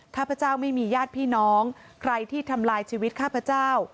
ข้าพเจ้าไม่มีญาติพี่น้องใครที่ทำลายชีวิตข้าพเจ้า